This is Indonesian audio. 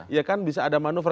ya kan bisa ada manuver